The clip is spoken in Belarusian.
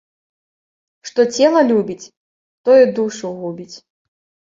Што цела любіць, тое душу губіць